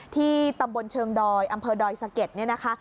ที่ตำบลเชิงดอยอำเภอดอยสะเก็ดเนี่ยนะคะ